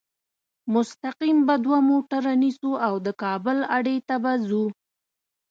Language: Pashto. مستقیم به دوه موټره نیسو او د کابل اډې ته به ځو.